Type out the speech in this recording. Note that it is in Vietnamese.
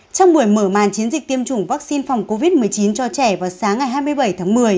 trong buổi mở màn chiến dịch tiêm chủng vaccine phòng covid một mươi chín cho trẻ vào sáng ngày hai mươi bảy tháng một mươi